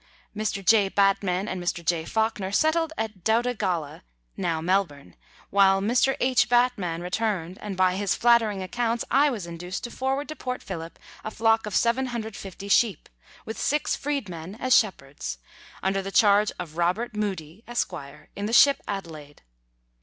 Mr. J. Batman and Mr. J. Fawkner settled at Doutta Galla (now Melbourne), while Mr. H. Batman returned, and by his flattering accounts I was induced to forward to Port Phillip a flock of 750 sheep, with six freedmen as shepherds, under the charge of Robert Mudie, Esquire, in the ship Adelaide.